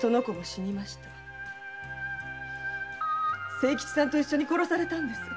清吉さんと一緒に殺されたんです。